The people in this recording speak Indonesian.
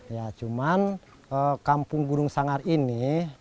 ya cuman kampung gunung sanggar ini